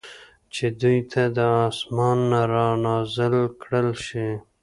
چې دوی ته د آسمان نه را نازل کړل شي